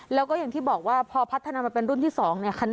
แล้วก็อย่างที่บอกว่าพอพัฒนามาเป็นรุ่นที่๒เนี่ย